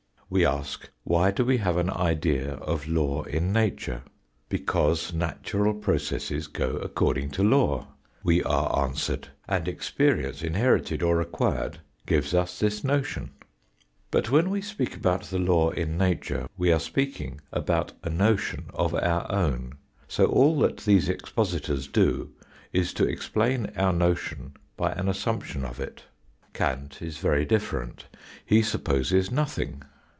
We ask " Why do we have an idea of law in nature ?"" Because natural processes go according to law," we are answered, " and experience inherited or acquired, gives us this notion." But when we speak about the law in nature we are speaking about a notion of our own. So all that these expositors do is to explain our notion by an assumption of it. Kant is very different. He supposes nothing.